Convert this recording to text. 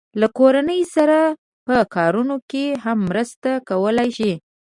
له کورنۍ سره په کارونو کې هم مرسته کولای شي.